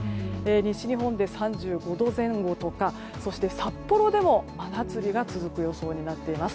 西日本で３５度前後とかそして札幌でも真夏日が続く予想になっています。